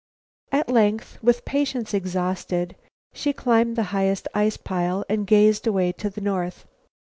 At length, with patience exhausted, she climbed the highest ice pile and gazed away to the north.